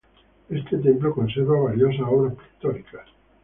Este templo conserva valiosas obras pictóricas.